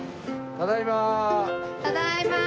ただいま。